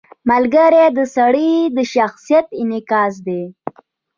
• ملګری د سړي د شخصیت انعکاس دی.